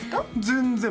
全然！